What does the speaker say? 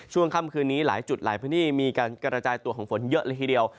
ช่วงค่ำคืนนี้หลายจุดหลายพื้นที่มีการกระจายตัวของฝนเยอะเลยทีเดียว